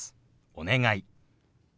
「お願い」。